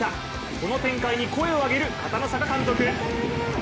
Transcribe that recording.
この展開に声を上げる片野坂監督。